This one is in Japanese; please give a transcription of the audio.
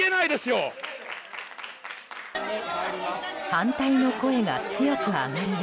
反対の声が強く上がる中。